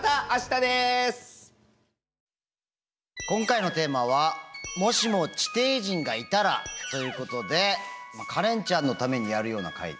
今回のテーマは「もしも地底人がいたら？」ということでカレンちゃんのためにやるような回。